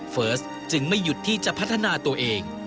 เฟิร์สจึงไม่หยุดที่จะพัฒนาตัวเอง